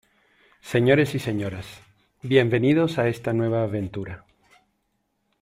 Señores y señoras, bienvenidos a está nueva aventura.